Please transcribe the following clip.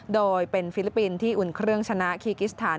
โดยเป็นฟิลิปปินส์ที่อุ่นเครื่องชนะคีกิสถาน